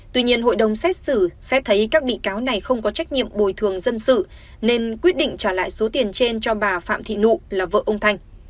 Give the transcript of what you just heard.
tuy nhiên hội đồng xét xử xét thấy các bị cáo này không có trách nhiệm bồi thường dân sự nên quyết định trả lại số tiền trên cho bà phạm thị nụ là vợ ông thanh